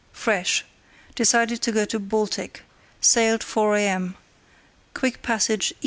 fresh. Decided to go to Baltic. Sailed 4 a.m. Quick passage E.